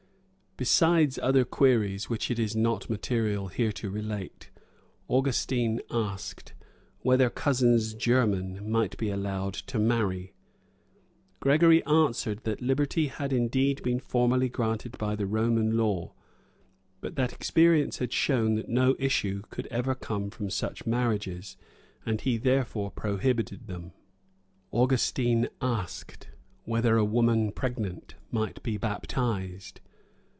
Besides other queries, which it is not material here to relate, Augustine asked, "Whether cousins german might be allowed to marry." Gregory answered, that that liberty had indeed been formerly granted by the Roman law; but that experience had shown that no issue could ever come from such marriages; and he therefore prohibited them. Augustine asked, "Whether a woman pregnant might be baptized."